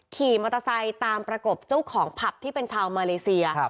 ขี่มอเตอร์ไซค์ตามประกบเจ้าของผับที่เป็นชาวมาเลเซีย